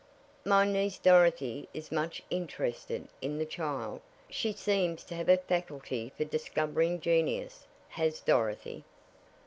"My niece Dorothy is much interested in the child she seems to have a faculty for discovering genius, has Dorothy."